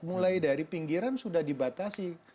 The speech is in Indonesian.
mulai dari pinggiran sudah dibatasi